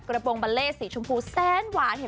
กระโปรงบาเลสีชมพูแซนหวาน